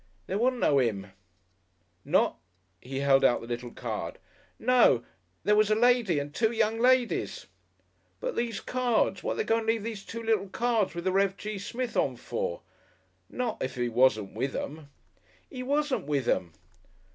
"There wasn't no 'im." "Not ?" He held out the little card. "No; there was a lady and two young ladies." "But these cards! Wad they go and leave these two little cards with the Rev. G. Smith on for? Not if 'e wasn't with 'em." "'E wasn't with 'em."